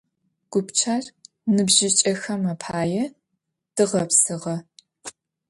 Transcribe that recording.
Гупчэр ныбжьыкӏэхэм апае дгъэпсыгъэ.